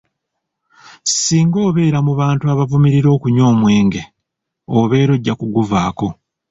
"Singa obeera mu bantu abavumirira okunywa omwenge, obeera ojja kuguvaako."